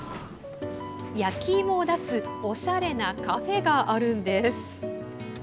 焼きいもを出すおしゃれなカフェがあるんです。